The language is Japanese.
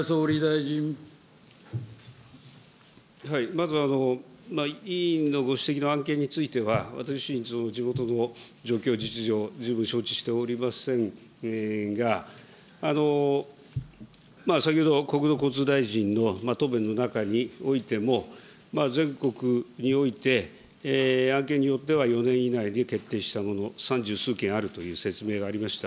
まず、委員のご指摘の案件については、私自身、地元の状況、実情、十分承知しておりませんが、先ほど国土交通大臣の答弁の中においても、全国において、案件によっては４年以内に決定したもの、三十数件あるという説明がありました。